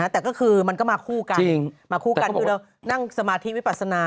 แต่ก็คือมันก็มาคู่กันมาคู่กันคือเรานั่งสมาธิวิปัสนา